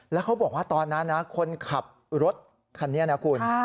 แล้วเขาบอกว่าตอนนั้นนะคนขับรถคันนี้นะคุณ